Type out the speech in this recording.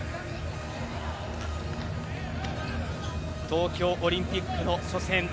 東京オリンピックの初戦。